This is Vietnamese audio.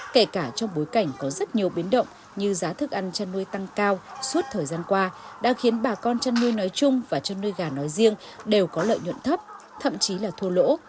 kể cả trong bối cảnh có rất nhiều biến động như giá thức ăn chăn nuôi tăng cao suốt thời gian qua đã khiến bà con chăn nuôi nói chung và chăn nuôi gà nói riêng đều có lợi nhuận thấp thậm chí là thua lỗ